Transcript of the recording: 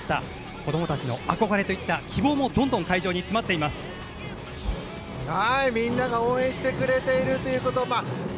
子供たちの憧れといった希望もどんどん会場に・チャー活アニキ！